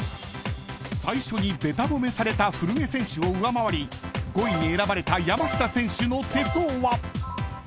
［最初にべた褒めされた古江選手を上回り５位に選ばれた山下選手の手相は］